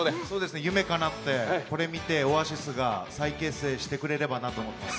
夢かなって、これ見てＯａｓｉｓが再結成してくれればなと思ってます。